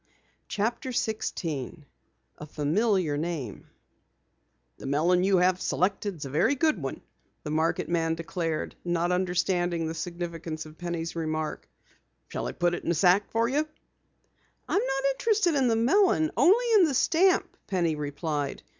CHAPTER 16 A FAMILIAR NAME "The melon you have selected is a very good one," the market man declared, not understanding the significance of Penny's remark. "Shall I put it in a sack for you?" "I'm not interested in the melon only in the stamp," Penny replied.